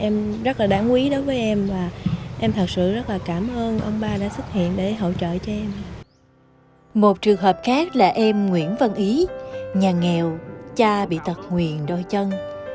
một trường hợp khác là em nguyễn văn ý nhà nghèo cha bị tật nguyền đôi chân